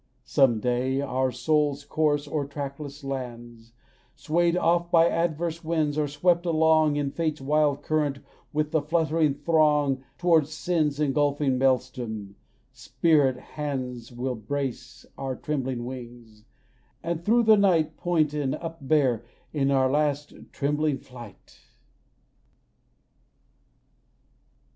Some day, in our soul's course o'er trackless lands, Swayed oft by adverse winds, or swept along In Fate's wild current with the fluttering throng Towards Sin's engulfing maelstrom, spirit hands Will brace our trembling wings, and through the night Point and upbear in our last trembling flight.